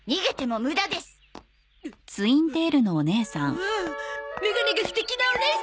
おおメガネが素敵なおねいさん！